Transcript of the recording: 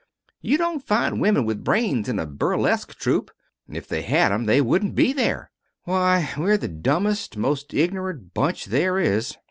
You don't find women with brains in a burlesque troupe. If they had 'em they wouldn't be there. Why, we're the dumbest, most ignorant bunch there is.